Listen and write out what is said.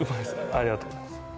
ありがとうございます